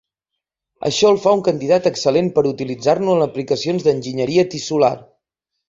Això el fa un candidat excel·lent per utilitzar-lo en aplicacions d'enginyeria tissular.